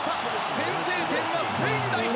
先制点はスペイン代表！